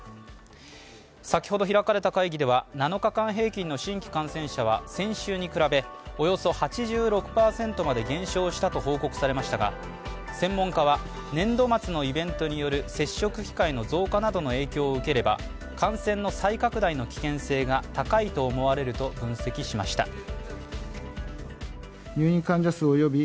先ほど開かれた会議では７日間平均の新規感染者は先週に比べおよそ８６％まで減少したと報告されましたが専門家は、年度末のイベントによる接触機会の増加などの影響を受ければ感染の再拡大の危険性が高いと思われると分析しました。